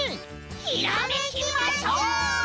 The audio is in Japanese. ひらめきましょう！